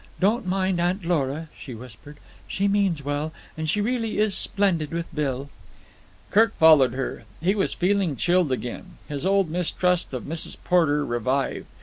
Don't mind Aunt Lora," she whispered; "she means well, and she really is splendid with Bill." Kirk followed her. He was feeling chilled again. His old mistrust of Mrs. Porter revived.